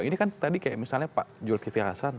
ini kan tadi kayak misalnya pak julki fiasan